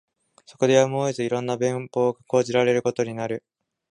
そこでやむを得ず、色んな便法が講じられることになる